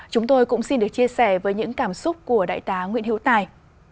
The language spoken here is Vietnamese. chúng tôi cũng xin được chia sẻ với những cảm xúc của đại tá nguyễn hiếu tài